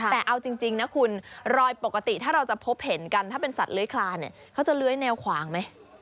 แต่เอาจริงนะคุณรอยปกติถ้าเราจะพบเห็นกันถ้าเป็นสัตว์เลื้อยคลานเนี่ยเขาจะเลื้อยแนวขวางไหม